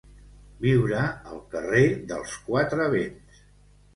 Viure al carrer dels quatre vents.